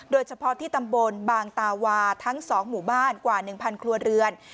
โดยเฉพาะที่ตำบลบางตาวาทั้ง๒หมู่บ้านกว่า๑๐๐ครัวเรือน